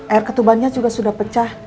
air ketubannya juga sudah pecah